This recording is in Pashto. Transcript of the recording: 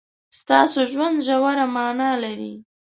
ستاسو ژوند ژوره مانا لري.